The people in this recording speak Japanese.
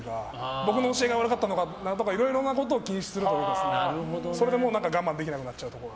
僕の教えが悪かったのかなとかいろいろなことを気にするとかそれが我慢できなくなっちゃうところが。